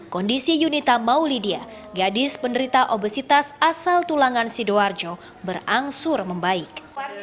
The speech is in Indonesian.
kondisi yunita maulidia gadis penderita obesitas asal tulangan sidoarjo berangsur membaik